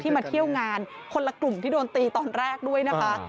มาเที่ยวงานคนละกลุ่มที่โดนตีตอนแรกด้วยนะคะ